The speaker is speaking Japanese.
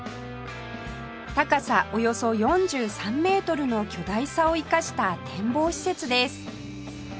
高さおよそ４３メートルの巨大さを生かした展望施設です